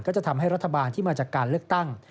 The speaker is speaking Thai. จะทำให้รัฐบาลที่มาจากการเลือกตั้ง